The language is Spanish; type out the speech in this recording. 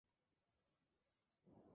Toca el saxo tenor y barítono.